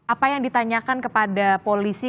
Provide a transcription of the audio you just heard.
apa yang ditanyakan kepada polisi